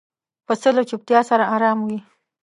پسه له چوپتیا سره آرام وي.